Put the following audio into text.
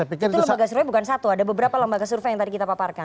itu lembaga survei bukan satu ada beberapa lembaga survei yang tadi kita paparkan